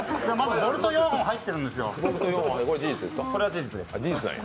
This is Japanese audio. ボルト４本入ってるんですよ